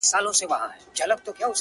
تا ولي په سوالونو کي سوالونه لټوله ~